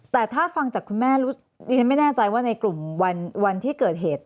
แต่ถ้าฟังจากคุณแม่รู้ดิฉันไม่แน่ใจว่าในกลุ่มวันที่เกิดเหตุ